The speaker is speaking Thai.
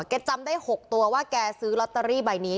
จำได้๖ตัวว่าแกซื้อลอตเตอรี่ใบนี้